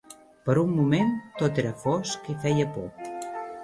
Per un moment, tot era fosc i feia por.